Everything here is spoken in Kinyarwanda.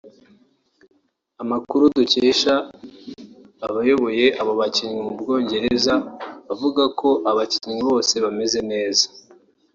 Amakuru dukesha abayoboye abo bakinnyi mu Bwongereza avuga ko abakinnyi bose bameze neza